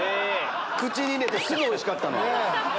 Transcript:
口に入れてすぐおいしかったの。